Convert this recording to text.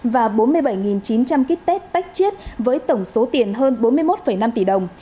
và bốn mươi bảy chín trăm linh kites tách chiết với tổng số tiền hơn bốn mươi một năm tỷ đồng